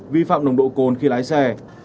vi phạm nồng độ cồn khi lái xe